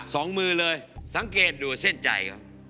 สองมือเลยสังเกตดูเส้นใจ